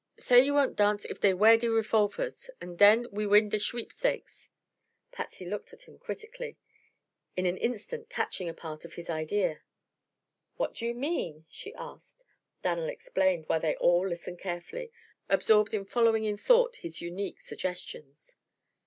Say you won't dance if dey wear de refolfers unt den we win de schweepstakes!" Patsy looked at him critically, in the instant catching a part of his idea. "What do you mean?" she asked. Dan'l explained, while they all listened carefully, absorbed in following in thought his unique suggestions.